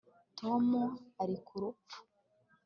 Tom ari ku rupfu